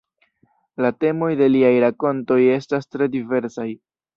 La temoj de liaj rakontoj estas tre diversaj.